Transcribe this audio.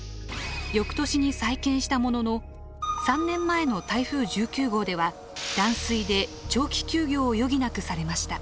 翌年に再建したものの３年前の台風１９号では断水で長期休業を余儀なくされました。